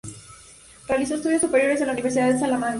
Realizó estudio superiores en la Universidad de Salamanca.